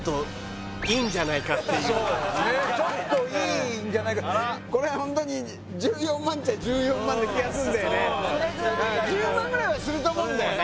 うんちょっとちょっといいんじゃないかこれはホントに１４万っちゃそれぐらいな気がする１０万ぐらいはすると思うんだよね